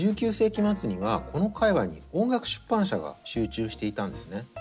１９世紀末にはこの界わいに音楽出版社が集中していたんですね。